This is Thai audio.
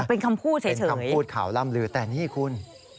เป็นคำพูดเฉยคำพูดข่าวล่ำลือแต่นี่คุณ